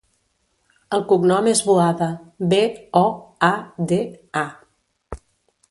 El cognom és Boada: be, o, a, de, a.